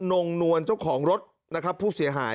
งงนวลเจ้าของรถนะครับผู้เสียหาย